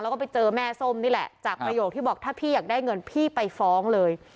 แล้วก็ไปเจอแม่ส้มนี่แหละจากประโยคที่บอกถ้าพี่อยากได้เงินพี่ไปฟ้องเลย